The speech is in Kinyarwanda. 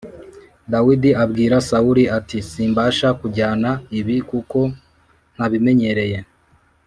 Dawidi abwira Sawuli ati “Simbasha kujyana ibi kuko ntabimenyereye.”